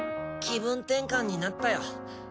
気分転換になったよ。